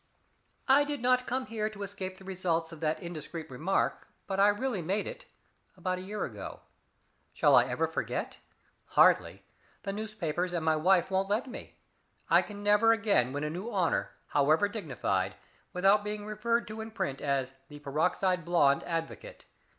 I did not come here to escape the results of that indiscreet remark, but I really made it about a year ago. Shall I ever forget? Hardly the newspapers and my wife won't let me. I can never again win a new honor, however dignified, without being referred to in print as the peroxide blond advocate.